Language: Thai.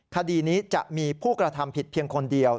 คดีนี้จะมีผู้กระทำผิดเพียงคนเดียว